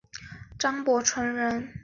张伯淳人。